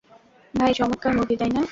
ভাই চমৎকার মুভি, তাই না?